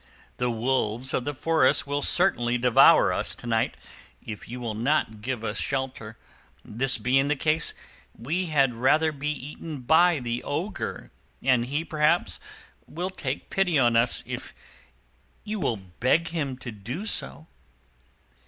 The wolves of the forest will certainly devour us to night, if you will not give us shelter. This being the case, we had rather be eaten by the Ogre, and he, perhaps, will take pity on us, if you will beg him to do so."